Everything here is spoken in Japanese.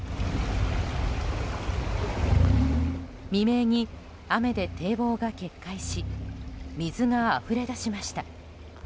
未明に、雨で堤防が決壊し水があふれ出しました。